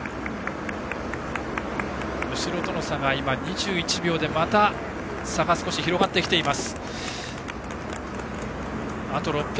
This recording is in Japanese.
後ろとの差が２１秒でまた差が少し広がってきています。